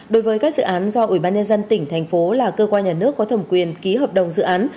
đối với các dự án do ủy ban nhân dân tỉnh thành phố là cơ quan nhà nước có thẩm quyền ký hợp đồng dự án